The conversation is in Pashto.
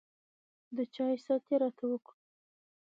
د چاے ست يې راته وکړو